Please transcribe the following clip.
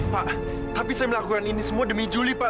pak tapi saya melakukan ini semua demi juli pak